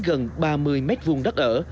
gần ba mươi mét vuông đất ở